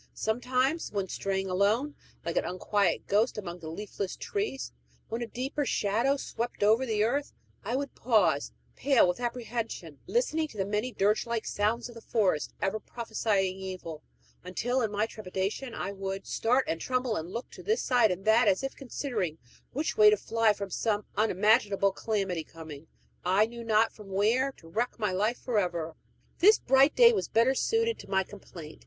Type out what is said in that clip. Sometimes, when straying alone, like an unquiet ghost among the leafless trees, when a deeper shadow swept over the earth, I would pause, pale with apprehension, listening to the many dirge like sounds of the forest, ever prophesying evil, until in my trepidation I would start and tremble, and look to this side and to that, as if considering which way to fly from some unimaginable calamity coming, I knew not from where, to wreck my life for ever. This bright day was better suited to my complaint.